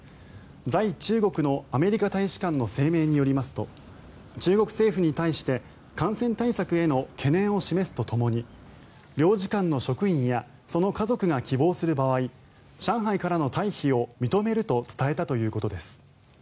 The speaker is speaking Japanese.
在中国のアメリカ大使館の声明によりますと中国政府に対して感染対策への懸念を示すとともに領事館の職員やその家族が希望する場合上海からの退避を認めると伝えたということです。